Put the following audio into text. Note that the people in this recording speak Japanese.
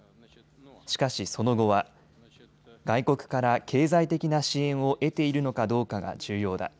しかしその後は外国から経済的な支援を得ているのかどうかが重要だ。